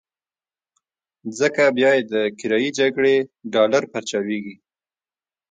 ځکه بيا یې د کرايي جګړې ډالر پارچاوېږي.